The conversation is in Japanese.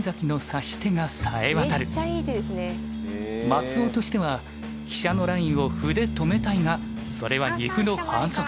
松尾としては飛車のラインを歩で止めたいがそれは二歩の反則。